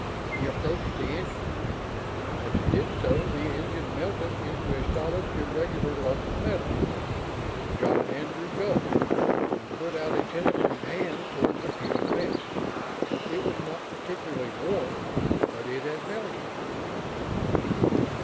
He approached the engine. As he did so, the engine melted into a solid, irregular lump of metal. John Andrew gulped, and put out a tentative hand toward the fused mess. It was not particularly warm but it had melted.